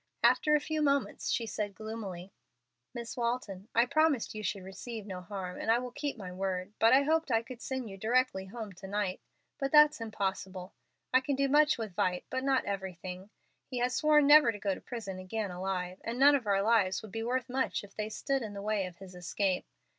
After a few moments she said, gloomily: "Miss Walton, I promised you should receive no harm, and I will keep my word. I hoped I could send you directly home to night, but that's impossible. I can do much with Vight, but not everything. He has sworn never to go to prison again alive, and none of our lives would be worth much if they stood in the way of his escape.